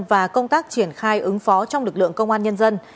và công tác triển khai ứng phó trong lực lượng công an nhân dân